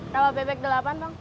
tawar bebek delapan bang